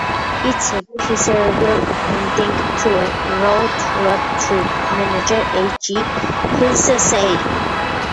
"It's a miserable ending to a rough road trip", manager A. J. Hinch said.